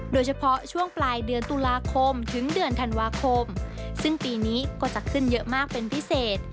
โดยเฉพาะช่วงปลายเดือนตุลาคมถึงเดือนธันวาคมซึ่งปีนี้ก็จะขึ้นเยอะมากเป็นพิเศษ